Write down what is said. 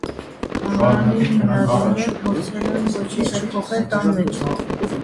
Թանգարանի հիմնադիրները փորձել են ոչինչ չփոխել տան մեջ։